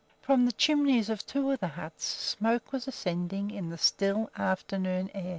From the chimneys of two of the huts smoke was ascending in the still afternoon air.